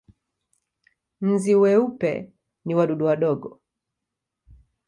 Nzi weupe ni wadudu wadogo.